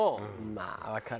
まあわかる。